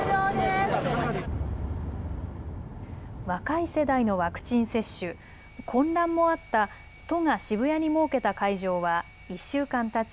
若い世代のワクチン接種、混乱もあった都が渋谷に設けた会場は１週間たち